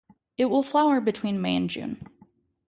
It will flower between May and June.